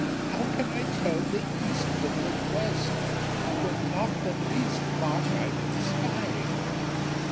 how can I tell the east from the west, When not the least mark I can spy?"